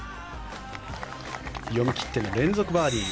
読み切って連続バーディー。